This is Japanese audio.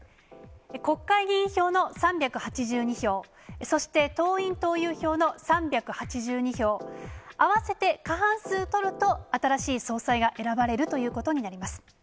国会議員票の３８２票、そして党員・党友票の３８２票、合わせて過半数取ると、新しい総裁が選ばれるということになります。